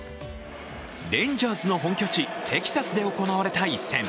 レンジャーズの本拠地・テキサスで行われた一戦。